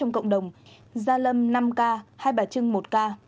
cộng đồng gia lâm năm ca hai bà trưng một ca